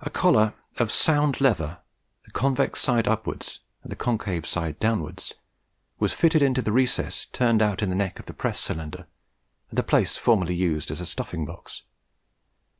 A collar of sound leather, the convex side upwards and the concave downwards, was fitted into the recess turned out in the neck of the press cylinder, at the place formerly used as a stuffing box.